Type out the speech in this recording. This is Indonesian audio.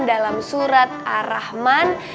dalam surat ar rahman